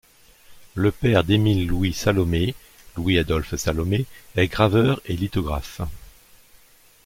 Le père d'Émile Louis Salomé, Louis Adolphe Salomé, est graveur et lithographe.